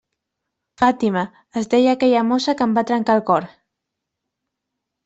Fàtima, es deia aquella mossa que em va trencar el cor.